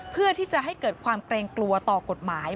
เพื่อที่จะให้เกิดความเกรงกลัวต่อกฎหมาย